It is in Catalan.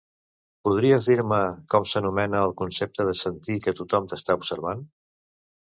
Podries dir-me com s'anomena el concepte de sentir que tothom t'està observant?